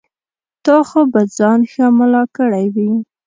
تا خو به ځان ښه ملا کړی وي.